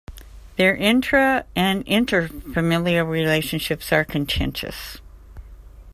Their intra- and interfamilial relationships are contentious.